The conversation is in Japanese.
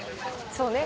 「そうね。